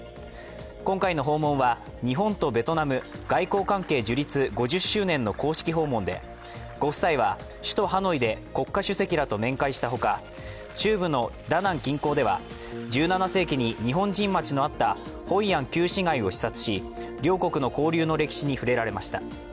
今回の訪問は、日本とベトナム外交関係樹立５０周年の公式訪問でご夫妻は首都・ハノイで国家主席らと面会したほか中部のダナン近郊では１７世紀に日本人街のあったホイアン旧市街を視察し両国の交流の歴史に触れられました。